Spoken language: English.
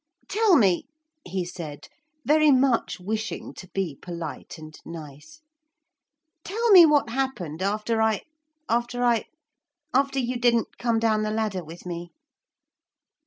'Tell me,' he said, very much wishing to be polite and nice. 'Tell me what happened after I after I after you didn't come down the ladder with me.'